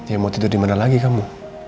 ya mau tidur dimana lagi kamu